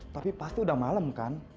tapi pasti udah malam kan